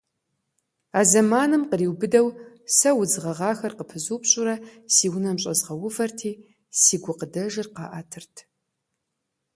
А зэманым къриубыдэу сэ удз гъэгъахэр къыпызупщӀурэ си унэм щӀэзгъэувэрти, си гукъыдэжыр къаӀэтырт.